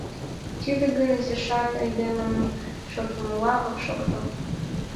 Тиде гын изишат айдемын шортмыла ок шокто.